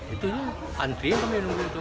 itu antri kami untuk itu